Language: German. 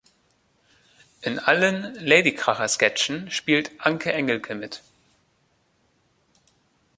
In allen Ladykracher-Sketchen spielt Anke Engelke mit.